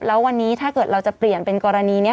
แล้ววันนี้ถ้าเกิดเราจะเปลี่ยนเป็นกรณีนี้